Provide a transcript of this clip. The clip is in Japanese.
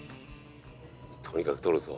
とにかく撮るぞ。